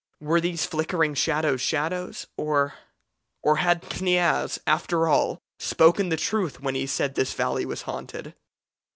Were these flickering shadows shadows, or or had Kniaz, after all, spoken the truth when he said this valley was haunted?